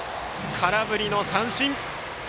空振り三振！